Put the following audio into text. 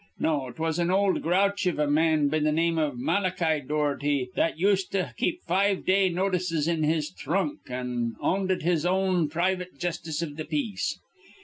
No, 'twas an ol' grouch iv a man be th' name iv Malachi Doherty that used to keep five day notices in his thrunk, an' ownded his own privit justice iv th' peace.